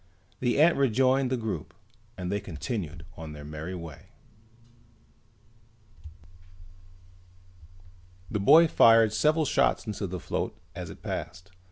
The ant rejoined the group and they continued on their merry way. The boy fired several shots into the float as it passed.